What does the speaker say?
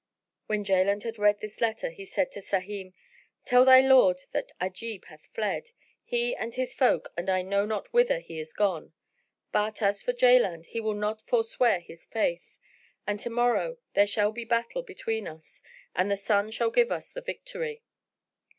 When Jaland had read this letter, he said to Sahim, "Tell thy lord that Ajib hath fled, he and his folk, and I know not whither he is gone; but, as for Jaland, he will not forswear his faith, and to morrow, there shall be battle between us and the Sun shall give us the victory."